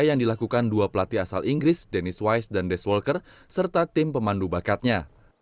yang dilakukan dua pelatih asal inggris dennis wais dan des walker serta tim pemandu bakatnya